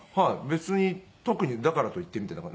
別に特にだからといってみたいな。